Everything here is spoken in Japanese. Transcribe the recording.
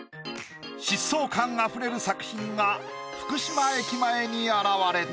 疾走感あふれる作品が福島駅前に現れた。